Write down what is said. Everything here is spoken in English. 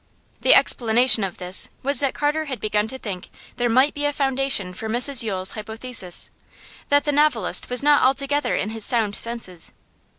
The explanation of this was that Carter had begun to think there might be a foundation for Mrs Yule's hypothesis that the novelist was not altogether in his sound senses.